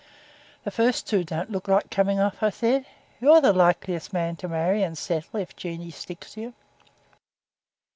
'The first two don't look like coming off,' I said. 'You're the likeliest man to marry and settle if Jeanie sticks to you.'